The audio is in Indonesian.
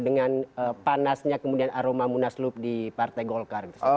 dengan panasnya kemudian aroma munaslub di partai golkar gitu